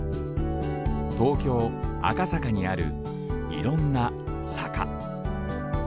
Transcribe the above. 東京・赤坂にあるいろんな坂。